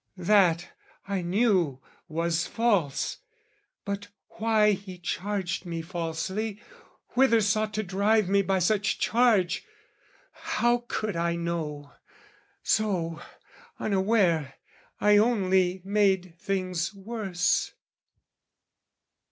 that, I knew, was false: But why he charged me falsely, whither sought To drive me by such charge, how could I know? So, unaware, I only made things worse.